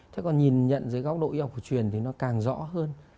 thế còn nhìn nhận dưới góc đội học của truyền thì nó càng rõ hơn